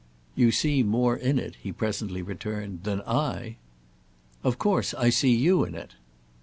"You see more in it," he presently returned, "than I." "Of course I see you in it."